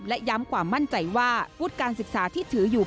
และย้ำความมั่นใจว่าวุฒิการศึกษาที่ถืออยู่